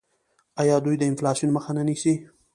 آیا دوی د انفلاسیون مخه نه نیسي؟